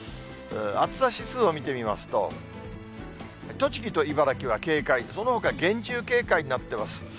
暑さ指数を見てみますと、栃木と茨城は警戒、そのほか厳重警戒になってます。